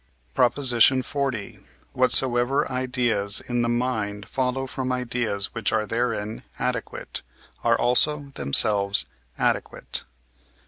PROP. XL. Whatsoever ideas in the mind follow from ideas which are therein adequate, are also themselves adequate.